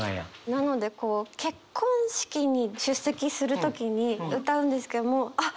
なのでこう結婚式に出席する時に歌うんですけどあっ